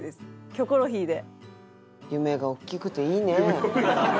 キョコロヒーで。